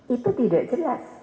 itu tidak jelas